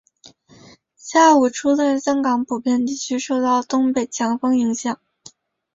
下午初段香港普遍地区受到东北强风影响。